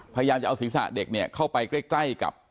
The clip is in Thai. พยายามจะเอาศีรษะเด็กเนี่ยเข้าไปใกล้กับ